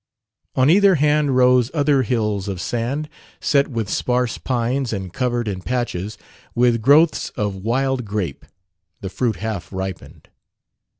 On either hand rose other hills of sand, set with sparse pines and covered, in patches, with growths of wild grape, the fruit half ripened.